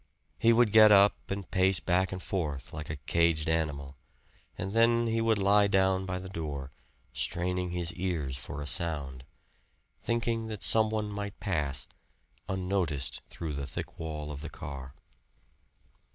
He would get up and pace back and forth, like a caged animal; and then he would lie down by the door, straining his ears for a sound thinking that some one might pass, unnoticed through the thick wall of the car.